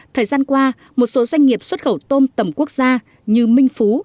thời gian qua một số doanh nghiệp xuất khẩu tôm tầm quốc gia như minh phú